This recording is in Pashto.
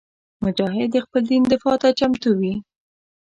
مجاهد د خپل دین دفاع ته چمتو وي.